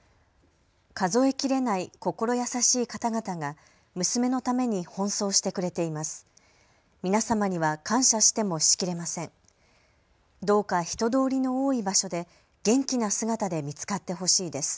数えきれない心優しい方々が娘のために奔走してくれています。